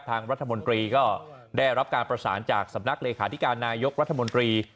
ทางรัฐมนตรีก็ได้รับการประสานจากสำนักเลขาธิการนายกรัฐมนตรี